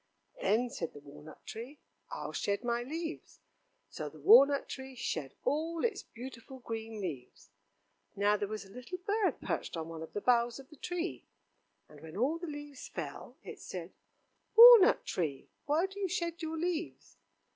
"Then," said the walnut tree, "I'll shed my leaves." So the walnut tree shed all its beautiful green leaves. Now there was a little bird perched on one of the boughs of the tree, and when all the leaves fell, it said: "Walnut tree, why do you shed your leaves?"